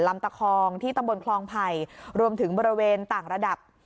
ลำตะคองที่ตำบลคลองไผ่รวมถึงบริเวณต่างระดับ